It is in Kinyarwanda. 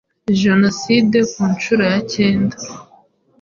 jenoside ku nshuro yacyenda